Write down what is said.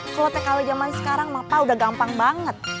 kalau tkw zaman sekarang udah gampang banget